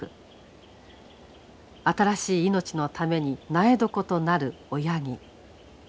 新しい命のために苗床となる親木。